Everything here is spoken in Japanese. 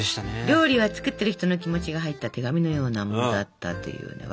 料理は作ってる人の気持ちが入った手紙のようなものだったっていうね。